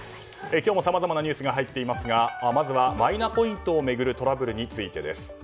今日もさまざまなニュースが入っていますがまずはマイナポイントを巡るトラブルについてです。